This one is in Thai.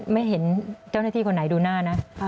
ไม่เห็นเจ้าหน้าที่คนไหนดูหน้านะ